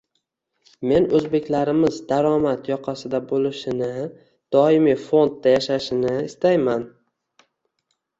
Men o'zbeklarimiz daromad yoqasida bo'lishini, doimiy fondda yashashini istayman